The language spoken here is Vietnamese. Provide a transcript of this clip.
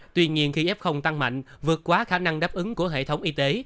tuy nhiên khi f tăng mạnh vượt quá khả năng đáp ứng của hệ thống y tế